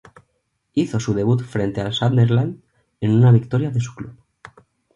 Hizo su debut frente al Sunderland, en una victoria de su club.